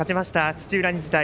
土浦日大